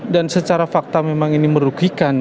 dan secara fakta memang ini merugikan